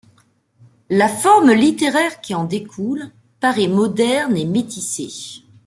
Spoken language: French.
La forme littéraire qui en découle paraît moderne et métissée.